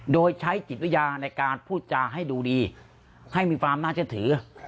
โดยใช้จิตวิญญาณในการพูดจาให้ดูดีให้มีความน่าเชื่อถือ